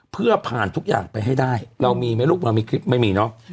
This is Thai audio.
เพื่อผ่านทุกอย่างไปให้ได้เรามีไหมลูกเรามีคลิปไม่มีเนอะ